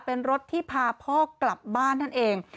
เป็นรถที่พาพ่อกลับบ้านนั่นเอง